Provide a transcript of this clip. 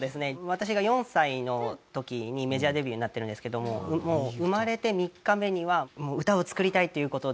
私が４歳の時にメジャーデビューになってるんですけどももう生まれて３日目には歌を作りたいという事で作って。